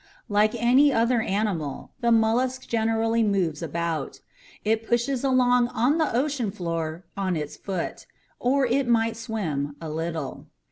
Like any other animal, the mollusk generally moves about. It pushes along on the ocean floor on its foot, or it might swim a little.